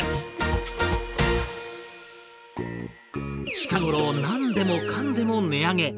近頃何でもかんでも値上げ。